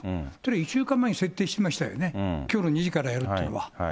１週間前に設定しましたよね、きょうの２時からやるというのは。